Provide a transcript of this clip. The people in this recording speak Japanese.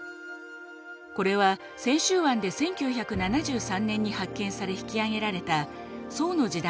これは泉州湾で１９７３年に発見され引き揚げられた宋の時代の木造船です。